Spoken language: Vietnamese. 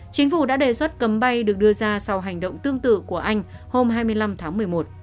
chính phủ đã đề xuất cấm bay được đưa ra sau hành động tương tự của anh hôm hai mươi năm tháng một mươi một